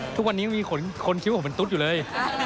ทุกวันนี้มีคนคิ้วผมเป็นตุ๊ดอยู่เลย